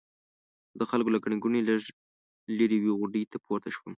زه د خلکو له ګڼې ګوڼې لږ لرې یوې غونډۍ ته پورته شوم.